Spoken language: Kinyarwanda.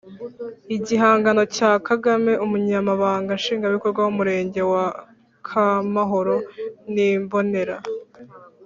Igihangano cya KagameUmunyamabanga nshingwabikorwa w’umurenge wa Akamahoro ni imbonera,